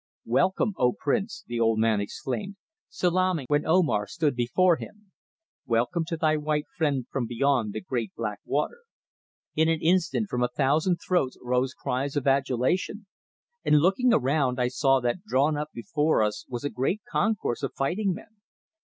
"Welcome, O Prince," the old man exclaimed, salaaming when Omar stood before him. "Welcome to thy white friend from beyond the great black water." In an instant from a thousand throats rose cries of adulation, and looking around I saw that drawn up before us was a great concourse of fighting men.